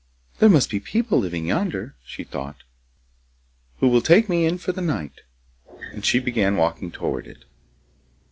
'There must be people living yonder,' she thought, 'who will take me in for the night,' and she began walking towards it.